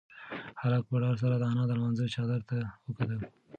هلک په ډار سره د انا د لمانځه چادر ته وکتل.